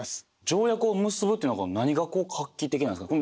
条約を結ぶっていうのが何がこう画期的なんですか？